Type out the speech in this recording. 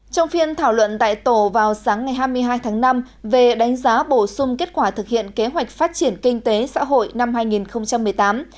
trong phiên thảo luận tại tổ vào sáng ngày hai mươi hai tháng năm về đánh giá bổ sung kết quả thực hiện kế hoạch phát triển kinh tế xã hội năm hai nghìn một mươi tám